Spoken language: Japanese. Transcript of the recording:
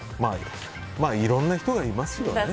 いろんな人がいますよね。